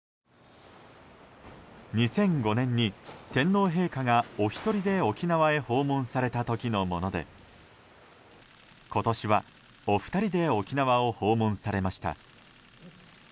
２００５年に天皇陛下がお一人で沖縄へ訪問された時のもので今年は、お二人で沖縄を訪問されました。